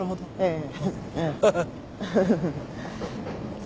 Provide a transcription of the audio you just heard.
ええ。